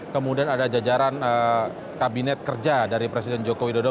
kemudian ada jajaran kabinet kerja dari presiden joko widodo